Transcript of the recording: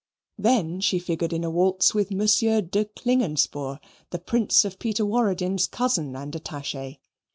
Then she figured in a waltz with Monsieur de Klingenspohr, the Prince of Peterwaradin's cousin and attache.